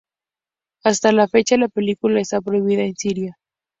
Hasta la fecha, la película está prohibida en Siria.